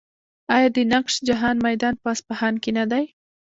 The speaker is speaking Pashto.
آیا د نقش جهان میدان په اصفهان کې نه دی؟